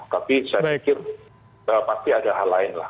tapi saya pikir pasti ada hal lain lah